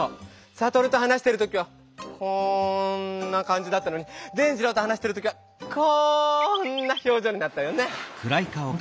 サトルと話してる時はこんなかんじだったのに伝じろうと話してる時はこんなひょうじょうになったよね！